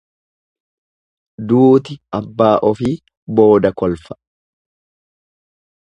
Duuti abbaa ofi booda kolfa.